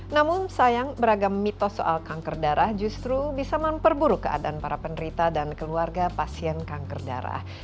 namun sayang beragam mitos soal kanker darah justru bisa memperburuk keadaan para penderita dan keluarga pasien kanker darah